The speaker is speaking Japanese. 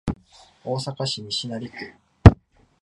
大阪市西成区